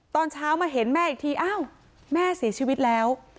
ตอนเช้ามาเห็นแม่อีกทีอ้าวแม่เสียชีวิตแล้ว